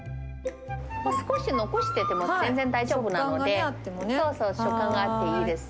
少し残してても全然大丈夫な食感があってもね。